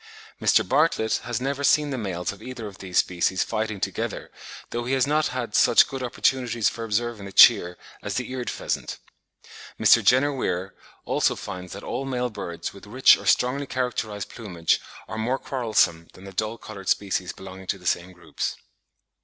Mr. Bartlett has never seen the males of either of these species fighting together, though he has not had such good opportunities for observing the Cheer as the Eared pheasant. Mr. Jenner Weir, also, finds that all male birds with rich or strongly characterised plumage are more quarrelsome than the dull coloured species belonging to the same groups.